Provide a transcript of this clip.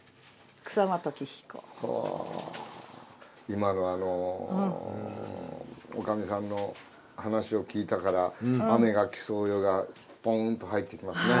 今の女将さんの話を聞いたから「雨が来さうよ」がポンと入ってきますね。